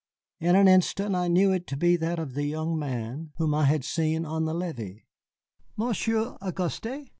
In an instant I knew it to be that of the young man whom I had seen on the levee. "Monsieur Auguste?"